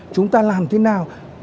chúng ta làm thế nào